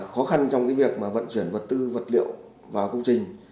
do việc khó khăn trong việc vận chuyển vật tư vật liệu vào công trình